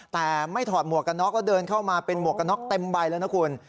แต่ไม่ถอดหมวกกันน็อกแล้วเดินเข้ามาเป็นหมวกกระน็อกเต็มใบแล้วนะคุณ